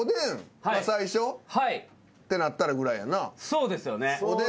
そうですよね。